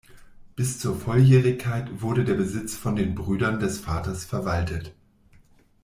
Bis zur Volljährigkeit wurde der Besitz von den Brüdern des Vaters verwaltet.